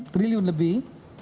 dua enam triliun lebih